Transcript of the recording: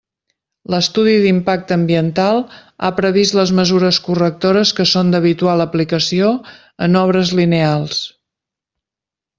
L'estudi d'impacte ambiental ha previst les mesures correctores que són d'habitual aplicació en obres lineals.